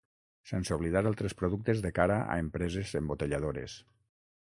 Sense oblidar altres productes de cara a empreses embotelladores.